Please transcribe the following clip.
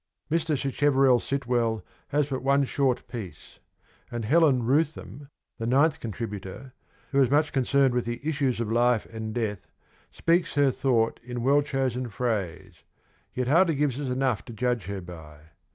Mr. Sacheverell Sitwell has but one short piece : and Helen Rootham, the ninth contributor, who is much concerned with the issues of life and death, speaks her thought in well chosen phrase, yet hardly gives us enough to judge her by.